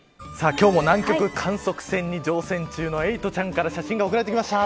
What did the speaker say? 今日も南極観測隊に乗船中のエイトちゃんから写真が送られてきました。